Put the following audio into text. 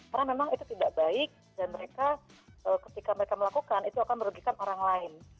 karena memang itu tidak baik dan mereka ketika mereka melakukan itu akan merugikan orang lain